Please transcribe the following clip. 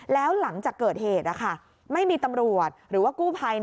แล้วหลังจากเกิดเหตุไม่มีตำรวจหรือว่ากู้ภัย